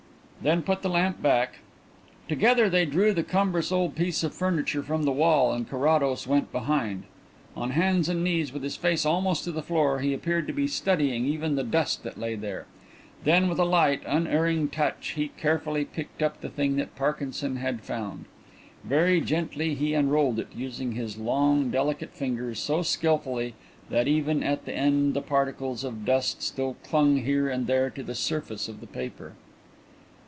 "Then put the lamp back." Together they drew the cumbrous old piece of furniture from the wall and Carrados went behind. On hands and knees, with his face almost to the floor, he appeared to be studying even the dust that lay there. Then with a light, unerring touch he carefully picked up the thing that Parkinson had found. Very gently he unrolled it, using his long, delicate fingers so skilfully that even at the end the particles of dust still clung here and there to the surface of the paper.